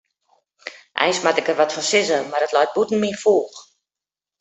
Eins moat ik der wat fan sizze, mar it leit bûten myn foech.